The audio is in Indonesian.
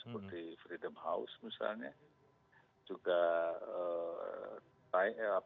penduduk islam yang lain